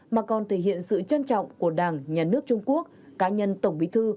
mà còn thể hiện sự trân trọng của đảng nhà nước trung quốc cá nhân tổng bí thư